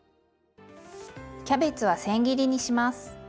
キャベツはせん切りにします。